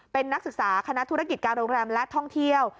เป็นนักศึกษาคณะธุรกิจการโรงแรมและท่องเที่ยว